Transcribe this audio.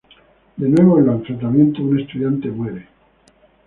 De nuevo en los enfrentamientos un estudiante muere.